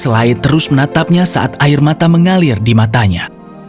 selain terus menatapnya saat air mata mengalir di matanya